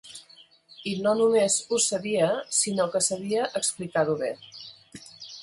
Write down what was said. I no només ho sabia sinó que sabia explicar-ho bé.